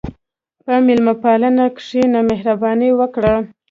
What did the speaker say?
په میلمهپالنه کښېنه، مهرباني وکړه.